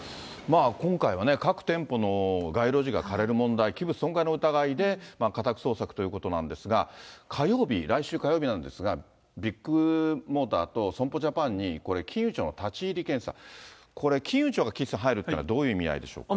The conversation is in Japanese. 今回はね、各店舗の街路樹が枯れる問題、器物損壊の疑いで、家宅捜索ということなんですが、火曜日、来週火曜日なんですが、ビッグモーターと損保ジャパンに、これ、金融庁の立ち入り検査。金融庁が、岸さん、入るというのは、どういう意味合いでしょうか。